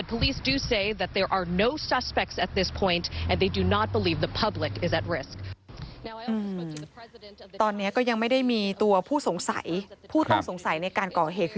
เพราะผู้สงสัยผู้ต้องสงสัยในการก่อเหตุ